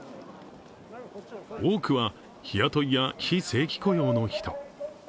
多くは日雇いや非正規雇用の人。